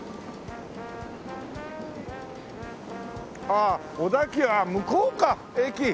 ああ小田急あっ向こうか駅。